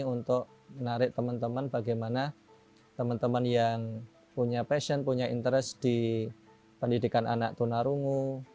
untuk menarik teman teman bagaimana teman teman yang punya passion punya interest di pendidikan anak tunarungu